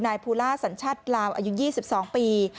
ภูล่าสัญชาติลาวอายุ๒๒ปี